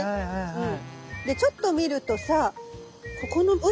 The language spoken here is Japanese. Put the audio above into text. はい。